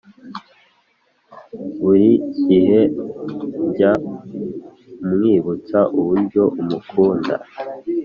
buri gihe jya umwibutsa uburyo umukunda